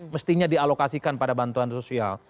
mestinya dialokasikan pada bantuan sosial